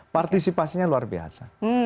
partisipasinya luar biasa